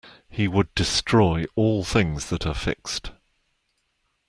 He would destroy all things that are fixed.